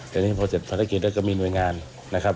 แต่นี่พอเสร็จภารกิจแล้วก็มีหน่วยงานนะครับ